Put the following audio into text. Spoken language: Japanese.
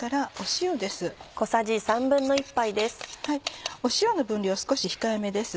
塩の分量少し控えめです。